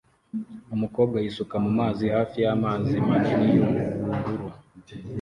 Umukobwa yisuka mu mazi hafi y'amazi manini y'ubururu